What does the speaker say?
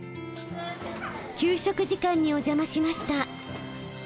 給食時間にお邪魔しました。